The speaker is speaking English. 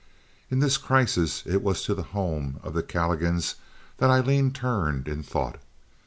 In this crisis it was to the home of the Calligans that Aileen turned in thought.